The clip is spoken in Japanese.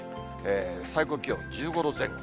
最高気温１５度前後。